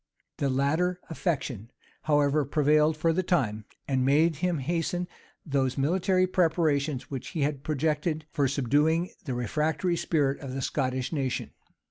The latter affection, however, prevailed for the time, and made him hasten those military preparations which he had projected for subduing the refractory spirit of the Scottish nation.